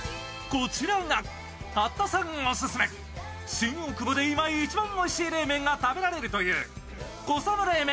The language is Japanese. こちらが八田さんオススメ、新大久保で今一番おいしい冷麺が食べられるというコサム冷麺